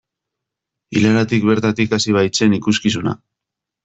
Ilaratik bertatik hasi baitzen ikuskizuna.